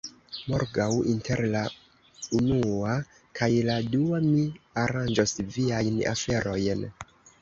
Morgaŭ, inter la unua kaj la dua, mi aranĝos viajn aferojn.